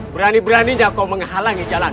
berani beraninya kau menghalangi jalan